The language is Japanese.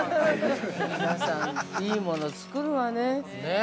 皆さん、いいもの作るわね。